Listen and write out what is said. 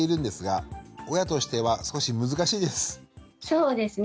そうですね。